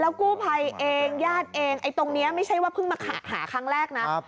กู้ภัยเองญาติเองไอ้ตรงนี้ไม่ใช่ว่าเพิ่งมาหาครั้งแรกนะ